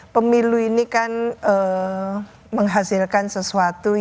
pemilu ini kan menghasilkan sesuatu yang tiga